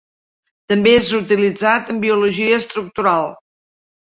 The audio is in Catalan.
També és utilitzat en biologia estructural.